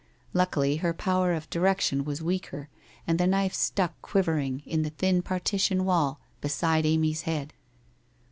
Luckily her power of direction was weaker and the knife stuck quivering in the thin partition wall beside Amy's head.